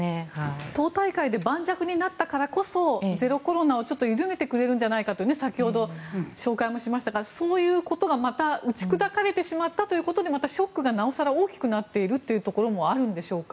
党大会で盤石になったからこそゼロコロナを緩めてくれるんじゃないかという先ほど紹介もしましたがそういうことがまた打ち砕かれてしまったということでまたショックがなお更大きくなっているところもあるんでしょうか？